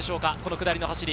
下りの走り。